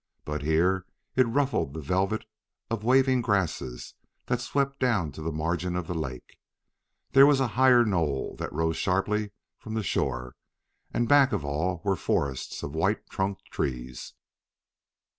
But here it ruffled the velvet of waving grasses that swept down to the margin of the lake. There was a higher knoll that rose sharply from the shore, and back of all were forests of white trunked trees.